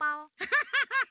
ハハハハ！